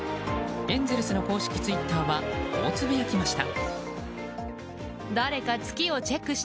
エンゼルスの公式ツイッターはこうつぶやきました。